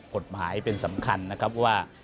กฎหมายเป็นสำคัญนะครับว่า